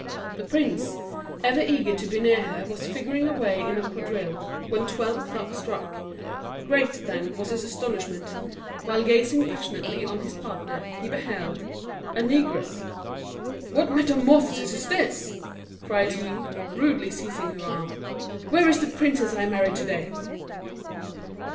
The prince, ever eager to be near her, was figuring away in a quadrille, when twelve o'clock struck: great, then, was his astonishment, while gazing passionately on his partner, he beheld a negress! "What metamorphosis is this?" cried he, rudely seizing her arm; "where is the princess I married to day?"